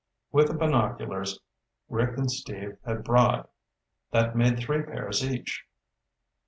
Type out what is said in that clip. With the binoculars Rick and Steve had brought, that made three pairs each.